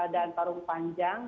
dan tarung panjang